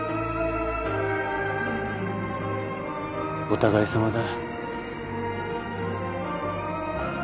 お互いさまだ。